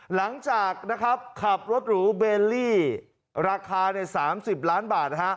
หลังจากขับรถหรูเบลลี่ราคา๓๐ล้านบาท